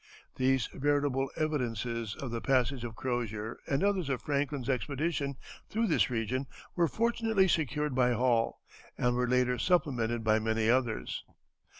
These veritable evidences of the passage of Crozier and others of Franklin's expedition through this region were fortunately secured by Hall, and were later supplemented by many others.